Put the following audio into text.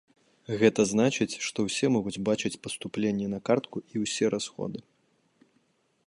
Гэта значыць, што ўсе могуць бачыць паступленні на картку і ўсе расходы.